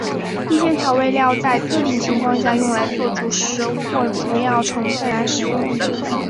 一些调味料在特定情况下用来作主食或主要成分来食用。